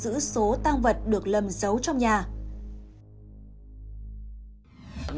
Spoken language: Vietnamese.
giữ số tăng vật được lầm giấu trong nhà